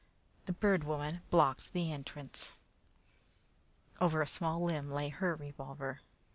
The Bird Woman blocked the entrance. Over a small limb lay her revolver.